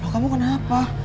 nah kamu kenapa